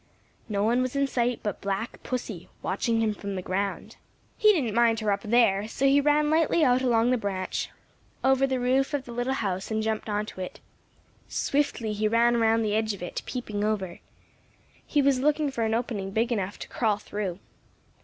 No one was in sight but Black Pussy, watching him from the ground. He didn't mind her up there so he ran lightly out along the branch over the roof of the little house and jumped on to it. Swiftly he ran around the edge of it, peeping over. He was looking for an opening big enough to crawl through.